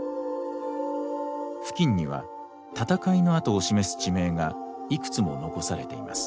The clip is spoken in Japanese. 付近には戦いの跡を示す地名がいくつも残されています。